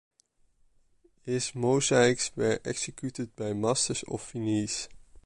His mosaics were executed by masters of Venice.